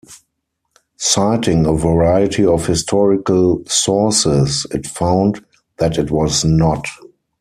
Citing a variety of historical sources, it found that it was not.